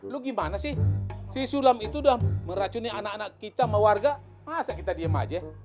lu gimana sih si sulam itu udah meracuni anak anak kita sama warga masa kita diem aja